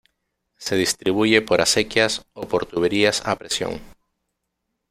Se distribuye por acequias o por tuberías a presión.